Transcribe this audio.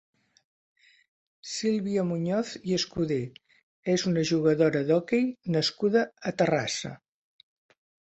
Sílvia Muñoz i Escudé és una jugadora d'hoquei nascuda a Terrassa.